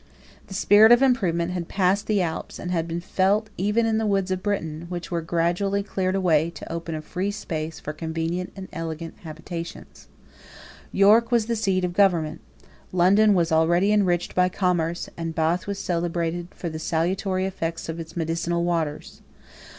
The spirit of improvement had passed the Alps, and been felt even in the woods of Britain, which were gradually cleared away to open a free space for convenient and elegant habitations. York was the seat of government; London was already enriched by commerce; and Bath was celebrated for the salutary effects of its medicinal waters.